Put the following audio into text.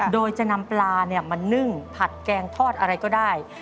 โดยจะนำปลามานึ่งผัดแกงทอดอะไรก็ได้